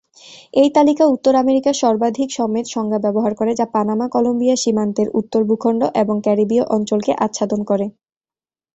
এই তালিকা উত্তর আমেরিকার সর্বাধিক সমেত সংজ্ঞা ব্যবহার করে, যা পানামা-কলম্বিয়া সীমান্তের উত্তরের ভূখণ্ড এবং ক্যারিবীয় অঞ্চলকে আচ্ছাদন করে।